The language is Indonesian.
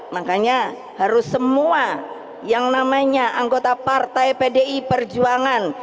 makanya harus semua yang namanya anggota partai pdi perjuangan